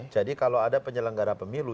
jadi kalau ada penyelenggara pemilu